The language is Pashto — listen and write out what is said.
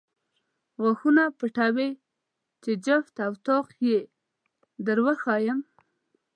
غاښونه پټوې چې جفت او طاق یې در وښایم.